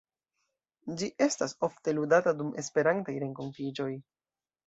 Ĝi estas ofte ludata dum Esperantaj renkontiĝoj.